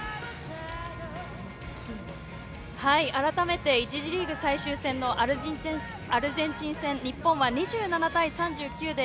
改めて１次リーグ最終戦のアルゼンチン戦、日本は２７対３９で